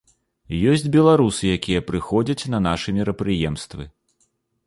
Ёсць беларусы, якія прыходзяць на нашы мерапрыемствы.